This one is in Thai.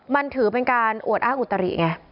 มันถือเป็นการอวดอ้างอุตริไง